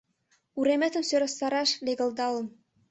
Уреметым сӧрастараш легылдалын.